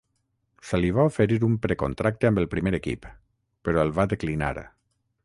Se li va oferir un precontracte amb el primer equip, però el va declinar.